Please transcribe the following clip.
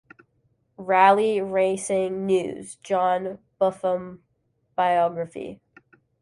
"Rally Racing News" John Buffum biography.